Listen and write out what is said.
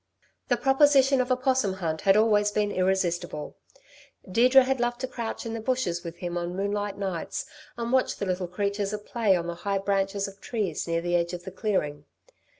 The proposition of a 'possum hunt had always been irresistible. Deirdre had loved to crouch in the bushes with him on moonlight nights and watch the little creatures at play on the high branches of trees near the edge of the clearing.